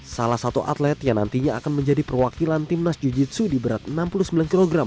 salah satu atlet yang nantinya akan menjadi perwakilan timnas jiu jitsu di berat enam puluh sembilan kg